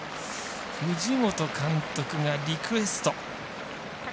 藤本監督がリクエスト。